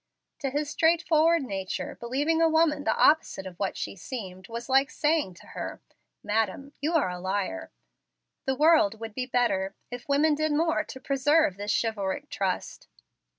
To his straightforward nature, believing a woman the opposite of what she seemed was like saying to her, "Madam, you are a liar." The world would be better if women did more to preserve this chivalric trust.